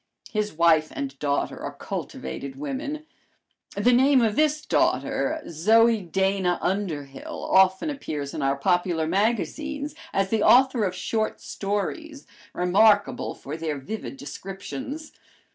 His wife and daughter are cultivated women. The name of this daughter, Zoe Dana Underhill, often appears in our popular magazines as the author of short stories, remarkable for their vivid descriptions.